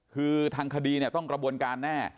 คือทางคดีเนี่ยต้องกระบวนการแน่